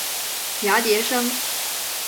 芽叠生。